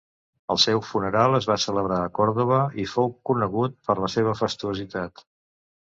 El seu funeral es va celebrar a Còrdova i fou conegut per la seva fastuositat.